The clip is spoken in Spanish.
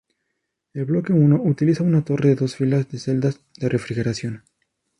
El bloque I utiliza una torre de dos filas de celdas de refrigeración.